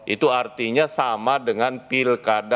itu artinya sama dengan pilkada